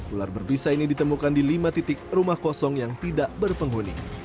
ular berpisah ini ditemukan di lima titik rumah kosong yang tidak berpenghuni